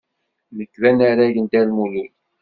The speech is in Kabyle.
Nekk d anarag n Dda Lmulud.